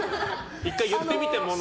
１回言ってみたものの。